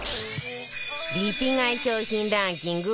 リピ買い商品ランキング